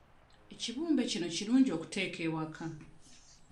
Ekibumbe kino kirungi okuteeka ewaka.